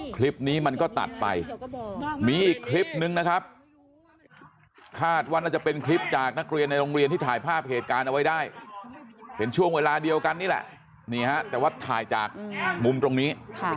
คลิปนี้มันก็ตัดไปมีอีกคลิปนึงนะครับคาดว่าน่าจะเป็นคลิปจากนักเรียนในโรงเรียนที่ถ่ายภาพเหตุการณ์เอาไว้ได้เห็นช่วงเวลาเดียวกันนี่แหละนี่ฮะแต่ว่าถ่ายจากมุมตรงนี้